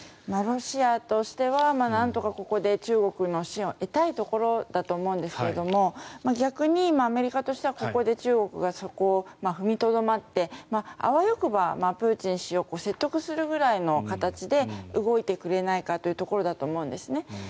ロシアとしてはなんとかここで中国の支援を得たいところだと思うんですが逆にアメリカとしてはここで中国が踏みとどまってあわよくばプーチン氏を説得するぐらいの形で動いてくれないかというところだと思うんですね。